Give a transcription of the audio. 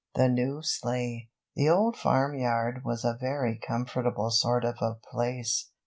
THE NEW SLEIGH THE Old Farm Yard was a very comfortable sort of a place.